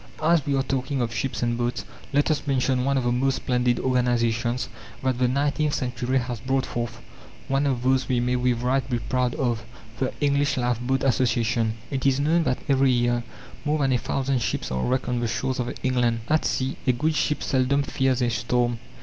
As we are talking of ships and boats, let us mention one of the most splendid organizations that the nineteenth century has brought forth, one of those we may with right be proud of the English Lifeboat Association. It is known that every year more than a thousand ships are wrecked on the shores of England. At sea a good ship seldom fears a storm.